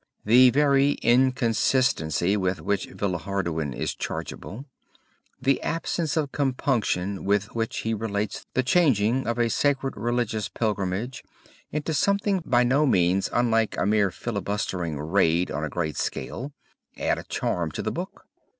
The very inconsistency with which Villehardouin is chargeable, the absence of compunction with which he relates the changing of a sacred religious pilgrimage into something by no means unlike a mere filibustering raid on a great scale, add a charm to the book.